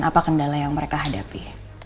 apa kendala yang mereka hadapi